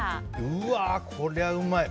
うわ、こりゃうまい。